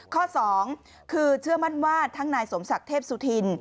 ข้อ๒คือเชื่อมั่นว่าทั้งนายสมศักดิ์เทพสุธิน